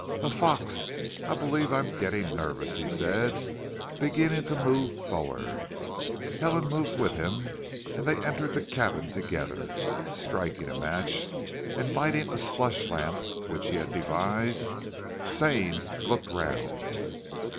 "A fox! I believe I am getting nervous," he said, beginning to move forward. Helen moved with him, and they entered the cabin together. Striking a match and lighting a slush lamp which he had devised, Stane looked round.